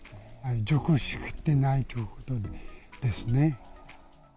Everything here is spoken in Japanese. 熟しきってないということですね。